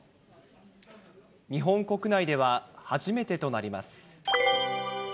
日本国内では初めてとなります。